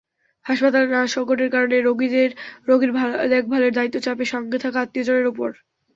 হাসপাতালে নার্স–সংকটের কারণে রোগীর দেখভালের দায়িত্ব চাপে সঙ্গে থাকা আত্মীয়স্বজনের ওপর।